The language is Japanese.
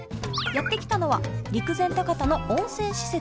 やって来たのは陸前高田の温泉施設。